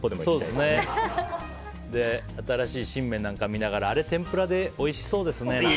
で、新しい新芽なんか見ながらあれ、天ぷらでおいしそうですね。